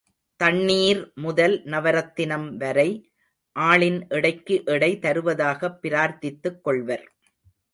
தண்ணீர் முதல் நவரத்தினம் வரை, ஆளின் எடைக்கு எடை தருவதாகப் பிரார்த்தித்துக் கொள்வர்.